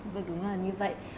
vâng đúng là như vậy